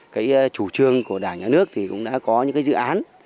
cái chủ trương của đảng nhà nước thì cũng đã có những cái dự án